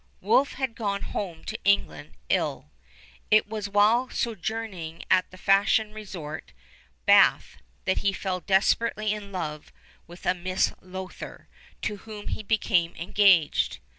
Wolfe had gone home to England ill. It was while sojourning at the fashion resort, Bath, that he fell desperately in love with a Miss Lowther, to whom he became engaged.